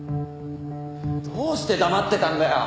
どうして黙ってたんだよ！